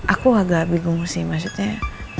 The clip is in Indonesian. aku agak bingung sih maksudnya